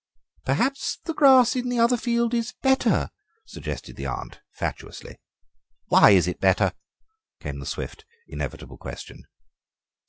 "Perhaps the grass in the other field is better," suggested the aunt fatuously. "Why is it better?" came the swift, inevitable question.